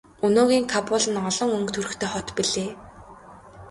Өнөөгийн Кабул нь олон өнгө төрхтэй хот билээ.